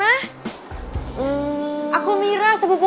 yaudah cuma sebaliknya